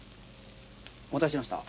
お待たせしました。